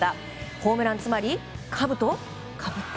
ホームラン、つまりかぶとをかぶった？